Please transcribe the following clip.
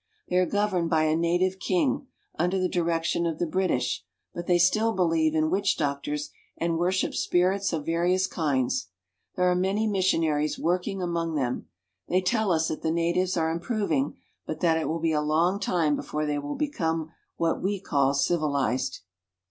They are governed by a native king, under the direction of the British ; but they still believe in witch doctors and worship spirits of various kinds. There are many missionaries working among them. They tell us that the natives are improving, but that it will be a long time before they will become what we call civilized.